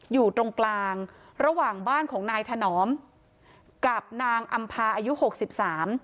อยู่ตรงกลางระหว่างบ้านของนายถนอมกับนางอำภาอายุหกสิบสาม